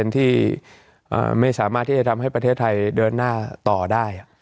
ที่ไม่สามารถที่จะทำให้ประเทศไทยเดินหน้าต่อได้